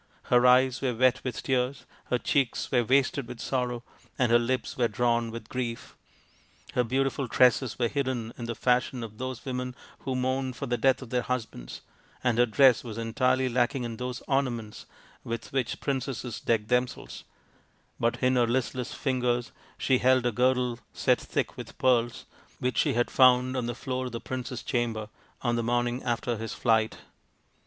Her eyes were wet with tears, her cheeks were wasted with sorrow, and her lips were drawn with grief. Her beautiful tresses were hidden in the fashion of those women who mourn for the death of their husbands, and her dress was entirely lacking in those ornaments with which princesses deck them selves ; but in her listless fingers she held a girdle set thick with pearls which she had found on the floor of the prince's chamber on the morning after his flight.